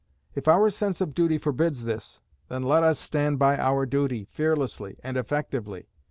If our sense of duty forbids this, then let us stand by our duty, fearlessly and effectively.